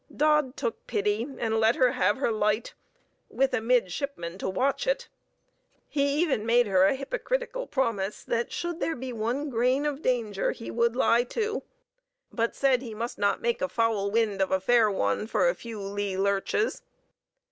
Dodd took pity, and let her have her light, with a midshipman to watch it. He even made her a hypocritical promise that, should there be one grain of danger, he would lie to; but said he must not make a foul wind of a fair one for a few lee lurches.